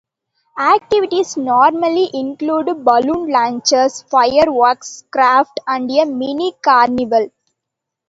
Activities normally include balloon launches, fireworks, crafts and a mini carnival.